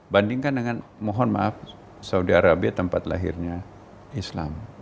bandingkan dengan mohon maaf saudi arabia tempat lahirnya islam